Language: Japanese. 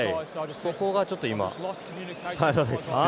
ここがちょっと今。